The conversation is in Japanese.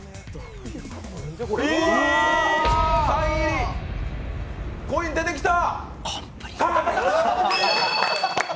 えー、サイン入り、コイン出てきた！